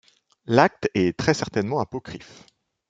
L’acte est très certainement apocryphe.